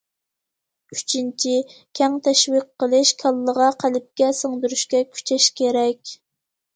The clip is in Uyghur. ئۈچىنچى، كەڭ تەشۋىق قىلىش، كاللىغا، قەلبكە سىڭدۈرۈشكە كۈچەش كېرەك.